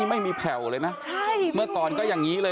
ใส่สูตรขาวอย่างนี้เลย